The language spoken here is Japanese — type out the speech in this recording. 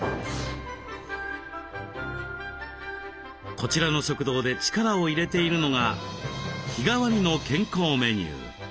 こちらの食堂で力を入れているのが日替わりの健康メニュー。